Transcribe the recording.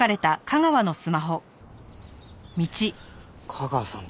架川さん